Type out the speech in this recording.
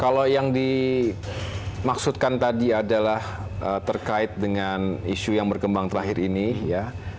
kalau yang dimaksudkan tadi adalah terkait dengan isu yang berkembang terakhir ini ya